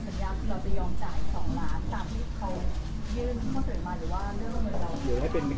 ก็คือผู้ใหญ่มองว่าไม่ต้องเกิดออกกว่าเรื่องนี้